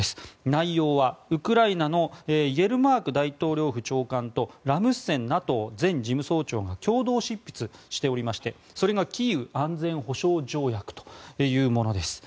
内容はウクライナのイェルマーク大統領府長官とラスムセンＮＡＴＯ前事務総長が共同執筆しておりましてそれがキーウ安全保障協約というものです。